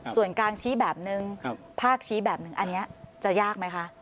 ส่วนการชี้แบบนึงภาคชี้แบบนึงอันนี้จะยากไหมคะ